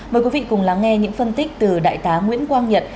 mời quý vị cùng lắng nghe những phân tích từ đại tá nguyễn quang nhật